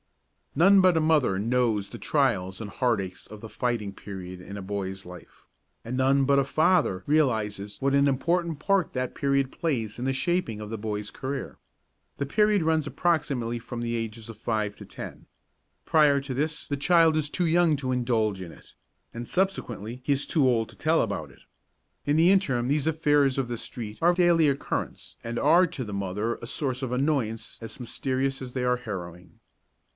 None but a mother knows the trials and heartaches of the fighting period in a boy's life; and none but a father realises what an important part that period plays in the shaping of the boy's career. The period runs approximately from the ages of five to ten. Prior to that the child is too young to indulge in it, and subsequently he is too old to tell about it. In the interim these affairs of the street are of daily occurrence and are to the mother a source of annoyance as mysterious as they are harrowing.